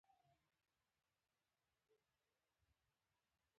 دا مترونه د یو ملي متر په دقت سره جوړ شوي دي.